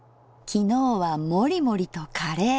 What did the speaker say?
昨日はもりもりとカレー。